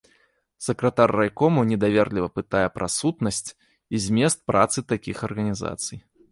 Сакратар райкому недаверліва пытае пра сутнасць і змест працы такіх арганізацый.